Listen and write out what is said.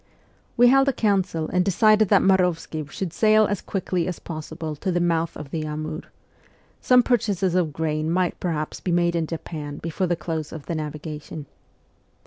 We held a council and decided that Marovsky should sail as quickly as possible to the mouth of the Amur. Some purchases of grain might perhaps be made in Japan before the close of the navigation.